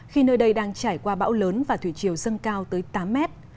khi nơi đây đang trải qua bão lớn và thủy chiều dâng cao tới tám mét